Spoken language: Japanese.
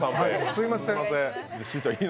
すみません。